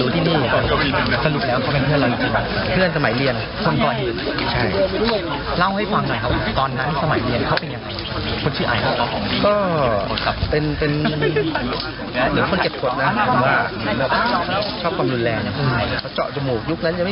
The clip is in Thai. ทีนี้ค่ะคุณผู้ชมคะ